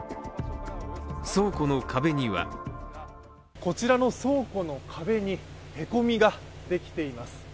倉庫の壁にはこちらの倉庫の壁に、へこみができています。